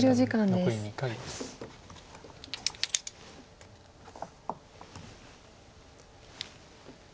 残り２回です。